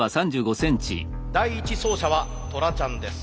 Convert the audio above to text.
第１走者はトラちゃんです。